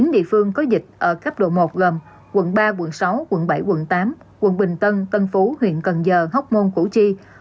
chín địa phương có dịch ở cấp độ một gồm quận ba quận sáu quận bảy quận tám quận bình tân tân phú huyện cần giờ hóc môn củ chi